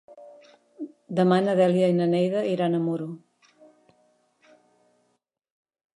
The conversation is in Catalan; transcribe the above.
Demà na Dèlia i na Neida iran a Muro.